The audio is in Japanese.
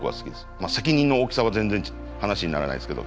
まあ責任の大きさは全然話にならないですけど。